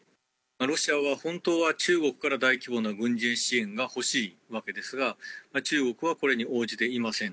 ロシアは本当は中国から大規模な軍事支援が欲しいわけですが、中国はこれに応じていません。